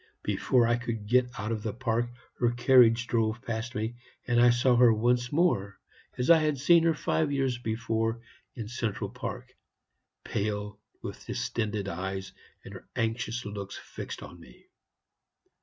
Before I could get out of the park her carriage drove past me, and I saw her once more as I had seen her five years before in Central Park, pale, with distended eyes, and her anxious looks fixed upon me.